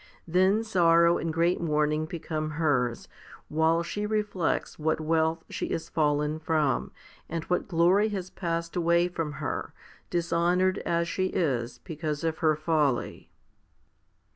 Then sorrow and great mourning become hers, while she reflects what wealth she is fallen from, and what glory has passed away from her, dishonoured as she is because of her folly.